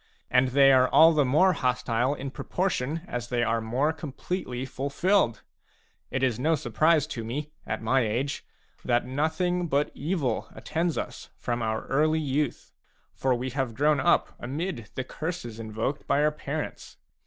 And they are all the more hostile in proportion as they are more completely fulfilled. It is no surprise to me, at my age, that nothing but evil attends us from our early youth ; for we have grown up amid the curses invoked by oiir parents.